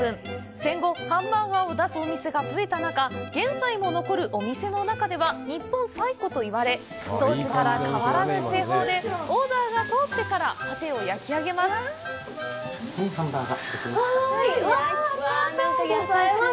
戦後、ハンバーガーを出すお店が増えた中、現在も残るお店の中では日本最古といわれ、当時から変わらぬ製法で、オーダーが通ってからパテを焼き上げます。